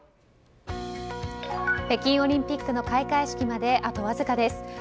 北京オリンピックの開会式まであとわずかです。